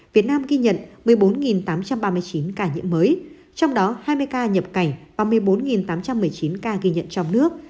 việt nam ghi nhận một mươi bốn tám trăm ba mươi chín ca nhiễm mới trong đó hai mươi ca nhập cảnh và một mươi bốn tám trăm một mươi chín ca ghi nhận trong nước